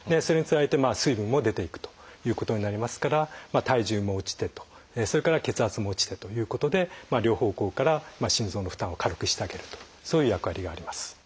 それにつられて水分も出ていくということになりますから体重も落ちてとそれから血圧も落ちてということで両方向から心臓の負担を軽くしてあげるとそういう役割があります。